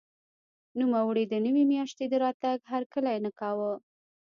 نوموړي د نوې ماشیۍ د راتګ هرکلی نه کاوه.